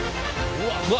うわ！